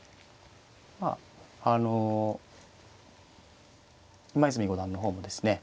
まああの今泉五段の方もですね